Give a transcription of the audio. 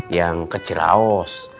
yang ke ciraos